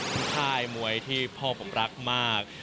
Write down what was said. เป็นค่ายมวยที่พ่อผมรักมาก